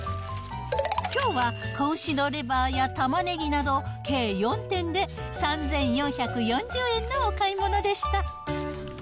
きょうは子牛のレバーやタマネギなど、計４点で３４４０円のお買い物でした。